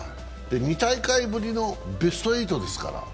２大会ぶりのベスト８ですから。